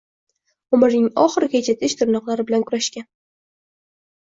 Umrining oxirigacha tish-tirnoqlari bilan kurashgan.